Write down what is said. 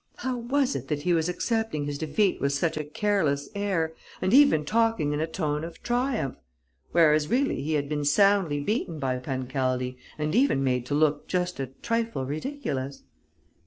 How was it that he was accepting his defeat with such a careless air and even talking in a tone of triumph, whereas really he had been soundly beaten by Pancaldi and even made to look just a trifle ridiculous?